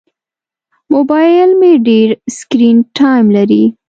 موبایل مې ډېر سکرین ټایم لري.